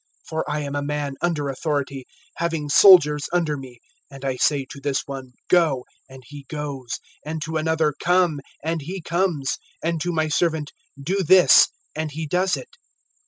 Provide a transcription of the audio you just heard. (9)For I am a man under authority, having soldiers under me, and I say to this one, Go, and he goes; and to another, Come, and he comes; and to my servant, Do this, and he does it.